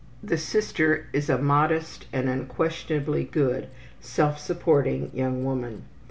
The sister is a modest and unquestionably good, self supporting, young woman.